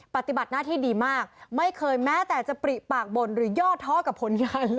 ปฏิบัติหน้าที่ดีมากไม่เคยแม้แต่จะปริปากบ่นหรือย่อท้อกับผลงาน